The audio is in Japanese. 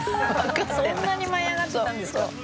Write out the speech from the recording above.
「そんなに舞い上がっちゃったんですか」